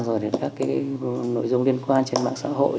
rồi đến các cái nội dung liên quan trên mạng xã hội